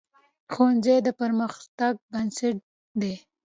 ښوونځی د پرمختګ بنسټ دی